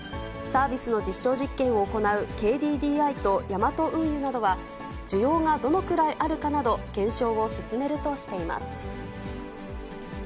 サービスの実証実験を行うＫＤＤＩとヤマト運輸などは、需要がどのぐらいあるかなど、検証を進めるとしています。